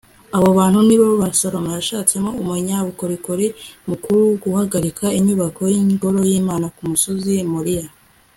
abo bantu ni bo salomo yashatsemo umunyabukorikori mukuru wo guhagarikira inyubako y'ingoro y'imana ku musozi moriya